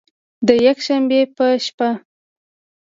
د یکشنبې په شپه